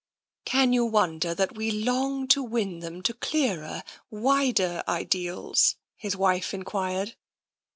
" Can you wonder that we long to win them to clearer, wider ideals? " his wife enquired.